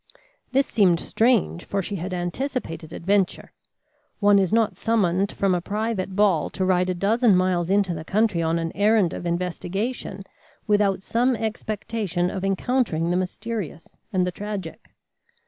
This seemed strange, for she had anticipated adventure. One is not summoned from a private ball to ride a dozen miles into the country on an errand of investigation, without some expectation of encountering the mysterious and the tragic.